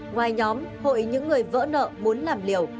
ngoài nhóm hội những người vỡ nợ muốn làm liều